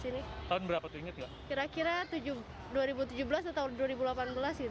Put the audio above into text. ini adalah satu bagian lilin